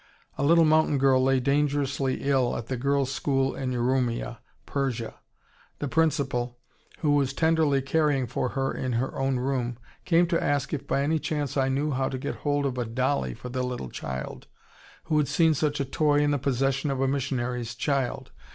A little mountain girl lay dangerously ill at the girls' school in Urumia, Persia. The principal, who was tenderly caring for her in her own room, came to ask if by any chance I knew how to get hold of a dollie for the little child, who had seen such a toy in the possession of a missionary's child.